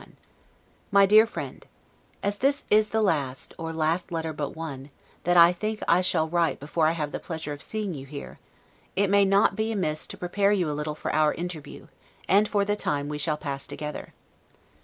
S. 1751 MY DEAR FRIEND: As this is the last, or last letter but one, that I think I shall write before I have the pleasure of seeing you here, it may not be amiss to prepare you a little for our interview, and for the time we shall pass together.